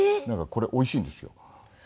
これおいしいんですよ。